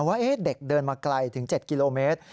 ว่าเด็กเดินมาไกลถึง๗กิโลเมตร